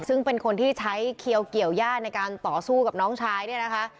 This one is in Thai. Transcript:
ซึ่งเป็นคนที่ใช้เขียวเกี่ยวย่าในการต่อสู้กับน้องชายเนี่ยนะคะ